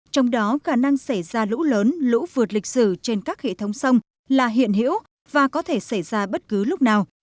trong đó khả năng xảy ra lũ lớn lũ vượt lịch sử trên các hệ thống sông là hiện hữu và có thể xảy ra bất cứ lúc nào